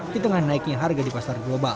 ketengah naiknya harga di pasar global